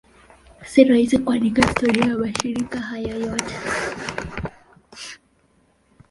Si rahisi kuandika historia ya mashirika hayo yote.